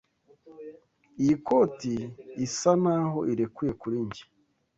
Iyi koti isa naho irekuye kuri njye.